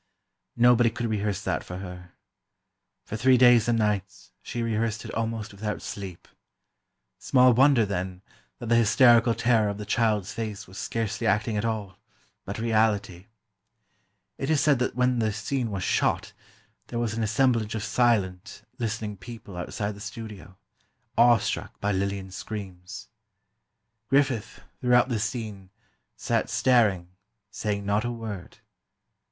Nobody could rehearse that for her. For three days and nights, she rehearsed it almost without sleep. Small wonder, then, that the hysterical terror of the child's face was scarcely acting at all, but reality. It is said that when the scene was "shot," there was an assemblage of silent, listening people outside the studio, awe struck by Lillian's screams. Griffith, throughout the scene, sat staring, saying not a word.